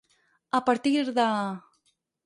A partir de.